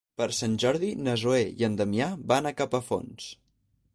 Per Sant Jordi na Zoè i en Damià van a Capafonts.